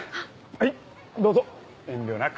はいどうぞ遠慮なく。